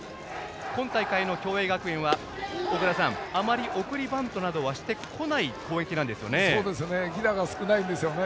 今大会の共栄学園はあまり送りバントなどは犠打が少ないんですよね。